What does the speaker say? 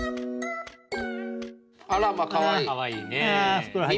あらまかわいい。